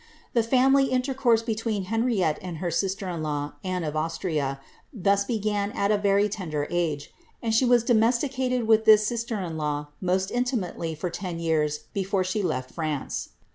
The family intercourse be tween Henriette and her sister in law, Anne of Austria, thus began at a very tender age ; and she was domesticated with this sister in law most intimately for ten yeare before she left France.